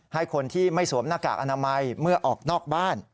ให้คนที่ไม่สวมหน้ากากอนามัยเมื่อออกนอกบ้าน